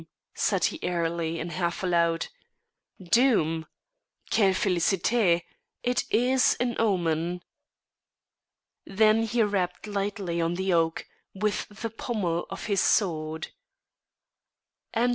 said he airily and half aloud. "Doom! Quelle félicité! It is an omen." Then he rapped lightly on the oak with the pommel of his sword.